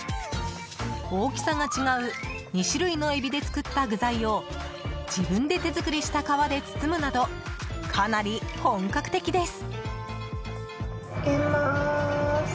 大きさが違う２種類のエビで作った具材を自分で手作りした皮で包むなどかなり本格的です。